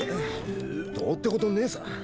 どうってことねえさ。